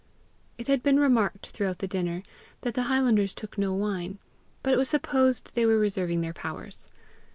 It had been remarked throughout the dinner that the highlanders took no wine; but it was supposed they were reserving their powers.